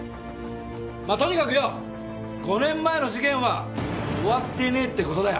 まあとにかくよ５年前の事件は終わってねえって事だよ。